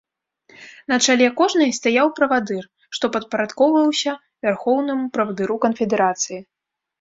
На чале кожнай стаяў правадыр, што падпарадкоўваўся вярхоўнаму правадыру канфедэрацыі.